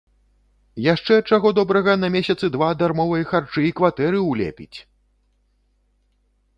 Яшчэ, чаго добрага, на месяцы два дармовай харчы і кватэры ўлепіць!